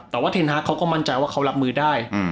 แต่ว่าเทนฮาร์กเขาก็มั่นใจว่าเขารับมือได้